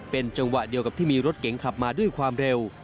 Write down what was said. เป็นจังหวะเดียวกับที่มีรถเก๋งขับมาด้วยความเร็ว